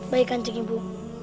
baik kanjeng ibu